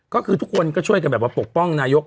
ก็คือทุกคนก็ช่วยกันแบบว่าปกป้องนายก